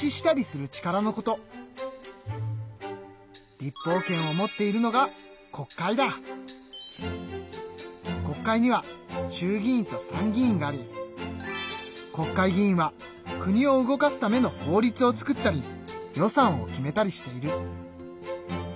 立法権を持っているのが国会には衆議院と参議院があり国会議員は国を動かすための法律を作ったり予算を決めたりしている。